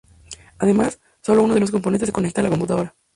Además, sólo uno de los componentes se conecta a la computadora.